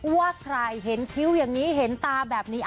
ว่าใครเห็นคิ้วอย่างนี้เห็นตาแบบนี้